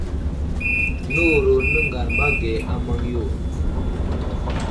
Nəwuro nəŋgar ama ge a maŋyo.